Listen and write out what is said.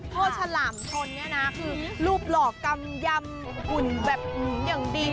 ฉลามชนเนี่ยนะคือรูปหล่อกำยำอุ่นแบบอย่างดี